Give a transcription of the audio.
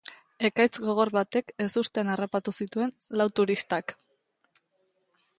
Ekaitz gogor batek ezustean harrapatu zituen lau turistak.